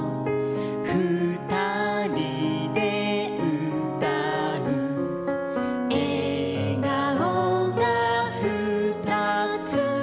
「ふたりでうたう」「えがおがふたつ」